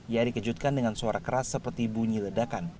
ia dikejutkan dengan suara keras seperti bunyi ledakan